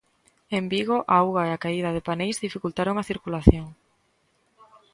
En Vigo, a auga e a caída de paneis dificultaron a circulación.